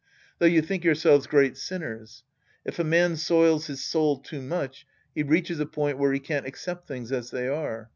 Though you think yourselves great sinners. If a man soils his soul too much, he reaches a point where he can't accept things as they are.